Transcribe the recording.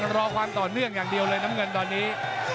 รอความต่อเนื่องอย่างเดียวเลยน้ำเงินตอนนี้